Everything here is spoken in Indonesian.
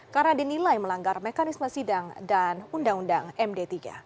karena dinilai melanggar mekanisme sidang dan undang undang md tiga